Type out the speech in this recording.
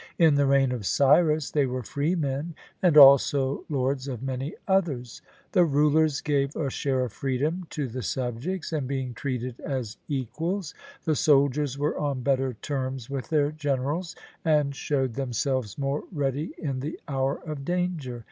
In the reign of Cyrus they were freemen and also lords of many others: the rulers gave a share of freedom to the subjects, and being treated as equals, the soldiers were on better terms with their generals, and showed themselves more ready in the hour of danger.